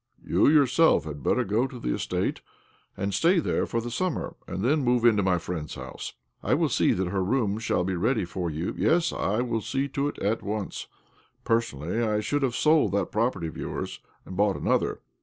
" You yourself had better go to the estate, and stay there for the summer, and then move into my friend's house, / will see that her rooms shall be ready for you— yes, I will see to it at once. Personally, I should have sold that property of yours, and boug^ht another.